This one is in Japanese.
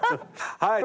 はい。